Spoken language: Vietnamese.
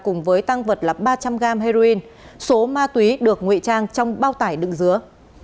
cùng với tăng vật là ba trăm linh gram heroin số ma túy được ngụy trang trong bao tải đựng dứa